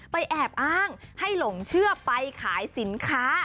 แอบอ้างให้หลงเชื่อไปขายสินค้า